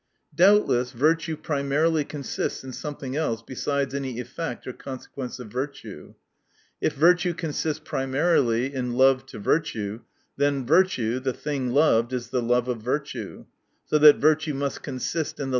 * Doubtless virtue primarily consists in something else besides any effect or consequence of virtue. If virtue consists primarily in love to virtue, then virtue, the thing loved, is the love of virtue : so that virtue must consist in the love of the love of virtue.